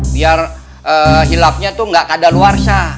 biar hilapnya tuh gak kadal warsa